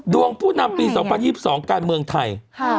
ผู้นำปี๒๐๒๒การเมืองไทย